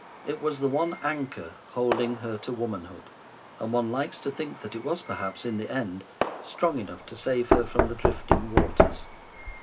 It was the one anchor holding her to womanhood; and one likes to think that it was, perhaps, in the end strong enough to save her from the drifting waters.